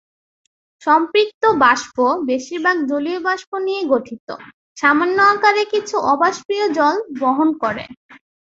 সম্পৃক্ত বাষ্প, বেশিরভাগ জলীয় বাষ্প নিয়ে গঠিত, সামান্য আকারে কিছু অবাষ্পীয় জল বহন করে।